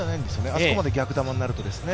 あそこまで逆球になると。